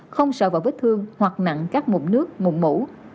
không sợ vào vết thương hoặc nặng các mụn nước mụn mũ